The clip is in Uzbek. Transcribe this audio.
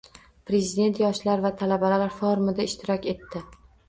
Prezident Yoshlar va talabalar forumida ishtirok etdi